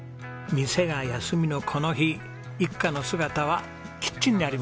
店が休みのこの日一家の姿はキッチンにありました。